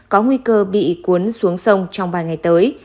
có nguy cơ bị cuốn xuống sông trong vài ngày tới